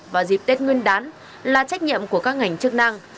vào dịp tết nguyên đán là trách nhiệm của các ngành chức năng